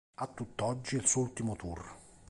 A tutt'oggi è il suo ultimo tour.